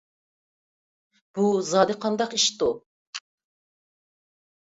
بۇ زادى قانداق ئىشتۇ؟